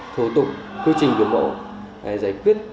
thủ tục quy trình biểu bộ giải quyết